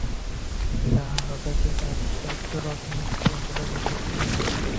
তা হবে, কিন্তু আশ্চর্যরকম গোপন করে রেখেছিলেন।